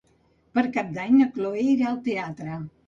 Per Cap d'Any na Chloé irà al teatre.